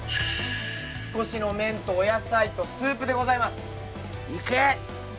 少しの麺とお野菜とスープでございます。